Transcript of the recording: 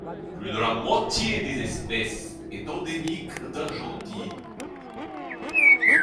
Plus de la moitié des espèces est endémique d'Argentine.